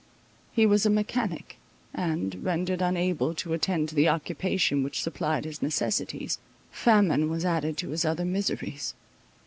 He was a mechanic; and, rendered unable to attend to the occupation which supplied his necessities, famine was added to his other miseries.